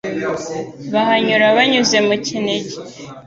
baahanyura banyuze mu Kinigi,